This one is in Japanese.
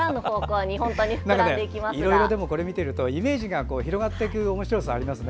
いろいろ見ているとイメージが広がっていくおもしろさがありますね。